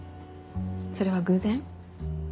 それは偶然？